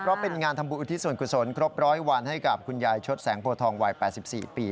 เพราะเป็นงานทำบุญอุทิศส่วนกุศลครบ๑๐๐วันให้กับคุณยายชดแสงโพทองวัย๘๔ปี